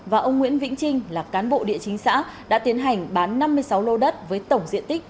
và ông nguyễn vĩnh trinh là cán bộ địa chính xã đã tiến hành bán năm mươi sáu lô đất với tổng diện tích